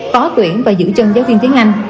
khó tuyển và giữ chân giáo viên tiếng anh